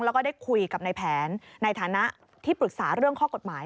แล้วก็ได้คุยกับในแผนในฐานะที่ปรึกษาเรื่องข้อกฎหมาย